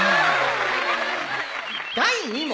第２問。